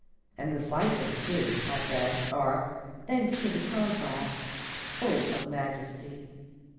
"And the cypress too," I said, "are, thanks to the contrast, full of majesty.